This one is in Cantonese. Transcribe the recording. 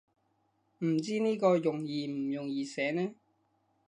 唔知呢個容易唔容易寫呢